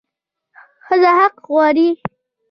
ښځه حق غواړي